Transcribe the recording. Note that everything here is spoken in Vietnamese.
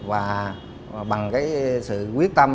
và bằng sự quyết tâm